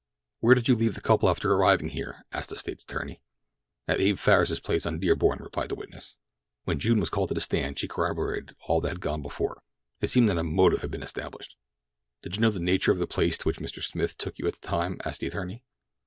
"Where did you leave the couple after arriving here?" asked the State's attorney. "At Abe Farris's place on Dearborn," replied the witness. When June was called to the stand she corroborated all that had gone before. It seemed that a motive had been established. "Did you know the nature of the place to which Mr. Smith took you at the time?" asked her attorney.